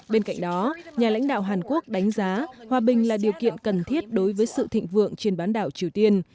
bên cạnh đó nhà lãnh đạo hàn quốc đánh giá hòa bình là điều kiện cần thiết đối với sự thịnh vượng trên bán đảo triều tiên